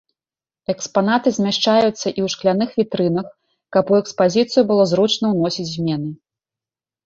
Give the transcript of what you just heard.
Экспанаты змяшчаюцца і ў шкляных вітрынах, каб у экспазіцыю было зручна ўносіць змены.